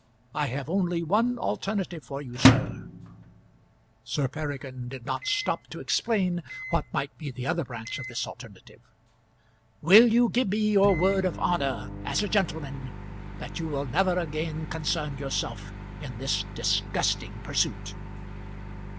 I have only one alternative for you, sir ." Sir Peregrine did not stop to explain what might be the other branch of this alternative. "Will you give me your word of honour as a gentleman that you will never again concern yourself in this disgusting pursuit?"